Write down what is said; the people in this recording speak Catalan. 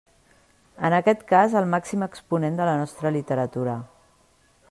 En aquest cas el màxim exponent de la nostra literatura.